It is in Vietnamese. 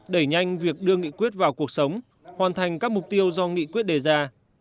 đẩy nhanh việc đưa nghị quyết vào cuộc sống hoàn thành các mục tiêu do nghị quyết đề ra